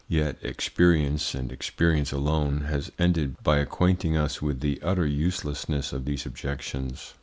Yet experience and experience alone has ended by acquainting us with the utter uselessness of these objections.